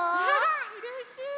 うれしい！